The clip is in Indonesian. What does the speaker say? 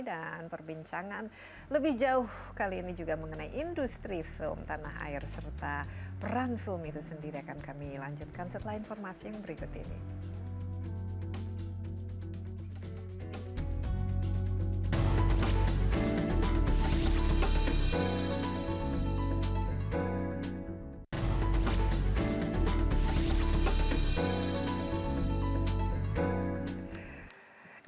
dan perbincangan lebih jauh kali ini juga mengenai industri film tanah air serta peran film itu sendiri akan kami lanjutkan setelah informasi yang berikut ini